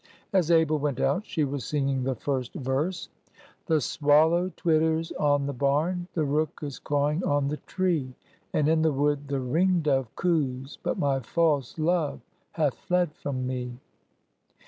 As Abel went out, she was singing the first verse:— "The swallow twitters on the barn, The rook is cawing on the tree, And in the wood the ringdove coos, But my false love hath fled from me."